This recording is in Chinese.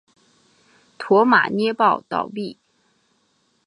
驼马捏报倒毙。